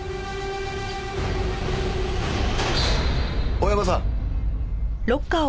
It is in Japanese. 大山さん。